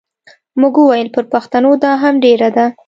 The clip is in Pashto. موږ وویل پر پښتنو دا هم ډېره ده.